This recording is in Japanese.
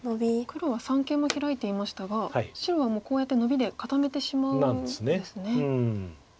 黒は三間もヒラいていましたが白はこうやってノビで固めてしまうんですね。